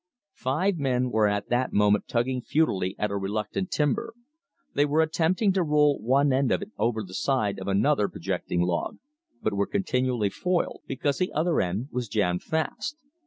Five men were at the moment tugging futilely at a reluctant timber. They were attempting to roll one end of it over the side of another projecting log, but were continually foiled, because the other end was jammed fast.